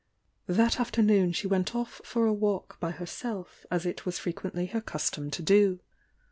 That afternoon she went off for a walk by her self as it was frequently her custom to do.